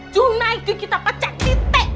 jun naik ke kita pecah titik